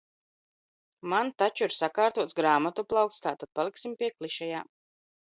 Man taču ir sakārtots grāmatu plaukts, tātad paliksim pie klišejām.